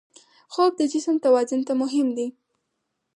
خوب د جسم توازن ته مهم دی